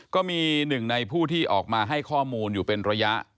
ก็มีหนึ่งในผู้ที่ออกมาให้ข้อมูลอยู่เป็นระยะ